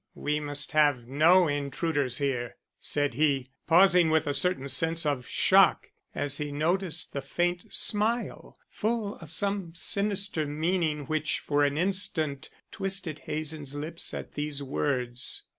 "We must have no intruders here," said he, pausing with a certain sense of shock, as he noticed the faint smile, full of some sinister meaning, which for an instant twisted Hazen's lips at these words.